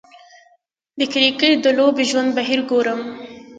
د کریکټ د لوبې ژوندی بهیر ګورم